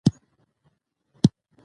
د سپورټ په برخه کي ځوانان اتلان دي.